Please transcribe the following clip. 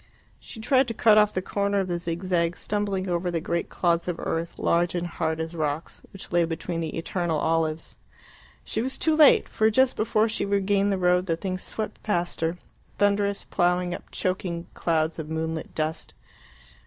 She tried to cut off the corner of the zigzag, stumbling over the great clods of earth, large and hard as rocks, which lay between the eternal olives. She was too late; for, just before she regained the road, the thing swept past her, thunderous, ploughing up choking clouds of moonlit dust.